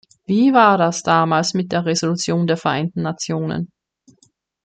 Wie war das damals mit der Resolution der Vereinten Nationen?